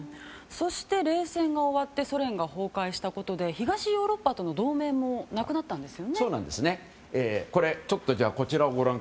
そして、冷戦が終わってソ連が崩壊したことで東ヨーロッパとの同盟もそうなんです。